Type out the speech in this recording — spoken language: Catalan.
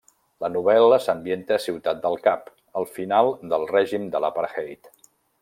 La novel·la s'ambienta a Ciutat del Cap al final del règim de l'apartheid.